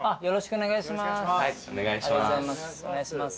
お願いします。